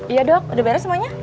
iya dok udah beres semuanya